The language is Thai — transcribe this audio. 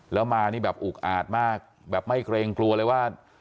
แล้วมานี่แบบอุกอาดมากแบบไม่เกรงกลัวเลยว่า